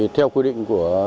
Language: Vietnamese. theo quy định